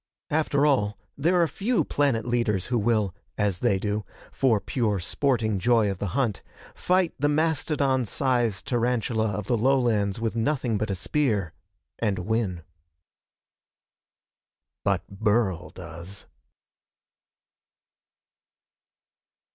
After all, there are few planet leaders who will, as they do, for pure sporting joy of the hunt, fight the mastodon sized tarantula of the lowlands with nothing but a spear and win. But Burl does.